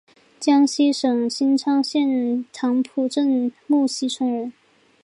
江西省新昌县棠浦镇沐溪村人。